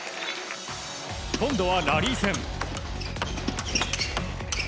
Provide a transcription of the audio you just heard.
今度はラリー戦。